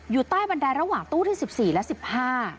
อยู่ใต้บันไดระหว่างตู้ที่๑๔และ๑๕